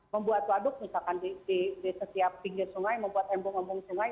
membuat waduk misalkan di setiap pinggir sungai membuat embung embung sungai